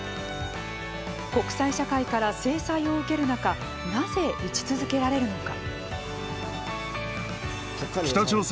国際社会から制裁を受ける中なぜ撃ち続けられるのか。